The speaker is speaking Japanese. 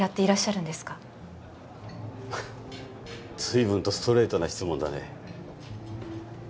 ずいぶんとストレートな質問だね。